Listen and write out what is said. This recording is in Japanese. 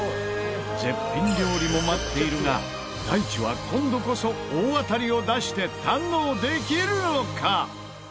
絶品料理も待っているが大地は今度こそ大当たりを出して堪能できるのか！？